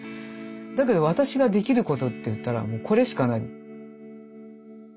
だけど私ができることっていったらこれしかない。